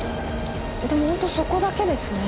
でもホントそこだけですね。